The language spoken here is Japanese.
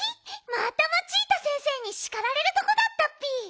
またマチータ先生にしかられるとこだったッピ！